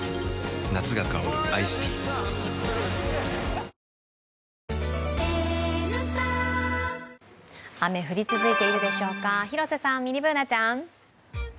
夏が香るアイスティー雨、降り続いているでしょうか、広瀬さん、ミニＢｏｏｎａちゃん。